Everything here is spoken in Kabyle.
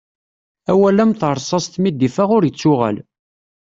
Awal am terṣast mi d-iffeɣ ur ittuɣal.